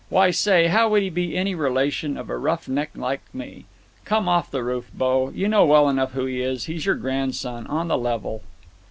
Why, say, how would he be any relation of a roughneck like me? Come off the roof, bo. You know well enough who he is. He's your grandson. On the level."